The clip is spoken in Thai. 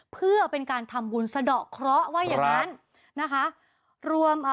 เพื่อเป็นการทำบุญสะดอกเคราะห์ว่าอย่างนั้นนะคะ